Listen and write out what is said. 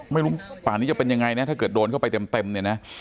ไม่รู้ป่านี้จะเป็นยังไงนะถ้าเกิดโดนเข้าไปเต็มเนี่ยนะ